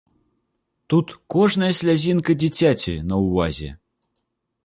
Тут кожная слязінка дзіцяці на ўвазе.